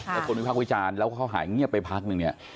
แล้วคนวิภาควิจารณ์เขาหายเงียบไปพักนึง